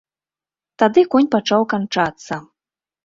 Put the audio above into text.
Тады конь пачаў канчацца.